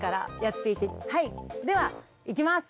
はいではいきます。